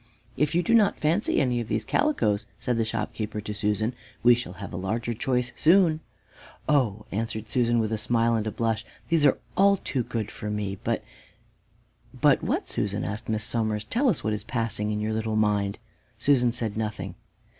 "If you do not fancy any of these calicoes," said the shopkeeper to Susan, "we shall have a larger choice soon." "Oh," answered Susan, with a smile, and a blush, "these are all too good for me, but " "But what, Susan?" asked Miss Somers. "Tell us what is passing in your little mind." Susan said nothing.